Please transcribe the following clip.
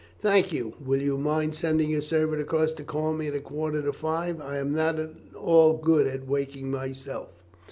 "Thank you. Will you mind sending your servant across to call me at a quarter to five? I am not at all good at waking myself."